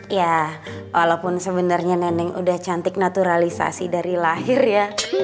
ya walaupun sebenarnya neneng udah cantik naturalisasi dari lahir ya